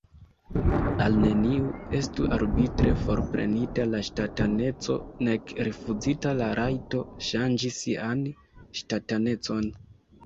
Al neniu estu arbitre forprenita la ŝtataneco, nek rifuzita la rajto ŝanĝi sian ŝtatanecon.